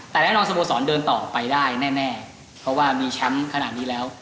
แต่แน่นอนสโมสรเดินต่อไปได้แน่เพราะว่ามีแชมป์ขนาดนี้แล้ว